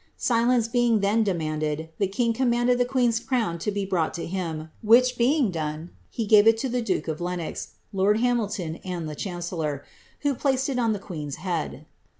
Silence being then demanded, the king commanded the qneen's cio«ri lo be brought to him, which being done, he gave it lo the duke ■'[ l enox, lord llamillon, and the chancellor, who phced it on the queen'^ head.